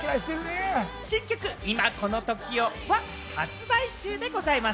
新曲『今この瞬間を』は発売中でございます。